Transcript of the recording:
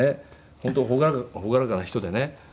本当朗らかな人でね